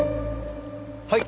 はい！